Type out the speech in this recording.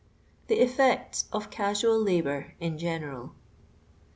325 The Kffects of Casuai^ Labour in General.